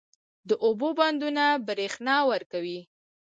د اوبو بندونه برښنا ورکوي